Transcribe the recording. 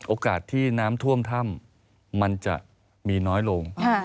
โอกาสที่น้ำท่วมถ้ำมันจะมีน้อยลง